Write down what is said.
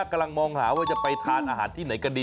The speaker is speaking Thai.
กำลังมองหาว่าจะไปทานอาหารที่ไหนกันดี